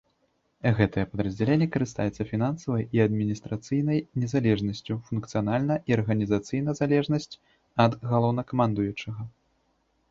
Гэтае падраздзяленне карыстаецца фінансавай і адміністрацыйнай незалежнасцю, функцыянальна і арганізацыйна залежнасць ад галоўнакамандуючага.